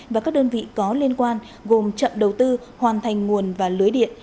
và các đơn vị có liên quan gồm chậm đầu tư hoàn thành nguồn và lưới điện